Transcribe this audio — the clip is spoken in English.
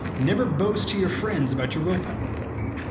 Never boast to your friends about your will power.